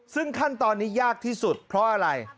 ซึ่งขั้นตอนนี้ยากที่สุดเพราะอะไร